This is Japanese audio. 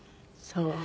そう。